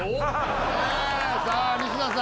さあ西田さん